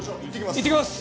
いってきます。